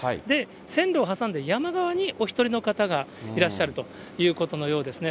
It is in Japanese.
線路を挟んで山側にお１人の方がいらっしゃるということのようですね。